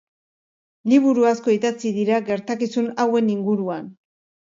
Liburu asko idatzi dira gertakizun hauen inguruan.